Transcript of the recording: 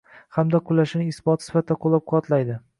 hamda qulashining isboti sifatida qo‘llab-quvvatlaydi.